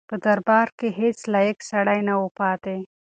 په دربار کې هیڅ لایق سړی نه و پاتې.